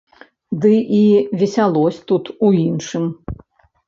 Ды і весялосць тут у іншым.